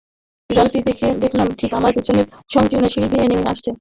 বিড়ালটিও দেখলাম ঠিক আমার পেছনেই সংকীর্ণ সিঁড়ি বেয়ে নেমে আসছে।